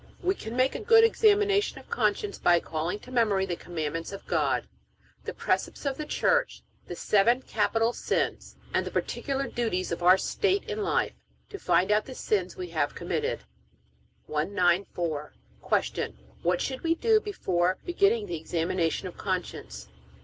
We can make a good examination of conscience by calling to memory the commandments of God, the precepts of the Church, the seven capital sins, and the particular duties of our state in life, to find out the sins we have committed. 194. Q. What should we do before beginning the examination of conscience?